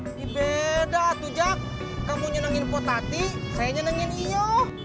ini beda tuh jak kamu nyenengin potati saya nyenengin iyo